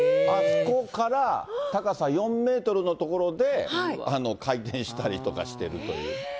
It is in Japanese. あそこから、高さ４メートルの所で回転したりとかしてるという。